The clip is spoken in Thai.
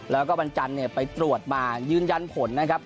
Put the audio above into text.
แล้วก็วันจันทร์เนี่ยไปตรวจมายืนยันผลนะครับ